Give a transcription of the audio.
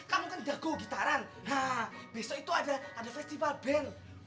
kamu kan jago gitaran nah besok itu ada festival band